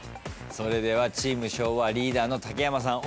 それではチーム昭和リーダーの竹山さん